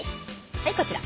はいこちら。